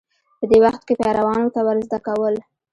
په دې وخت کې پیروانو ته ورزده کول